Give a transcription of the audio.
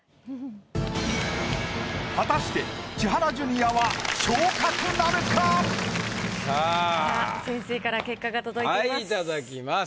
果たして千原ジュニアはさあ先生から結果が届いてます。